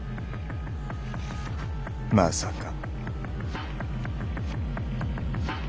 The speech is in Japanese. まさか。